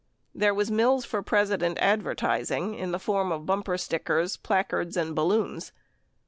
There was Mills for President advertising in the form of bumper stickers, plac ards, and balloons.